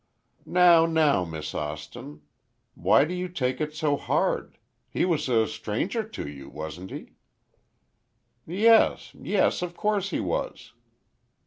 "Now, now, Miss Austin, why do you take it so hard? He was a stranger to you, wasn't he?" "Yes—yes, of course he was."